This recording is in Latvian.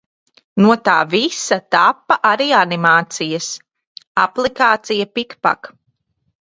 No tā visa tapa arī animācijas! Aplikācija Pic Pac.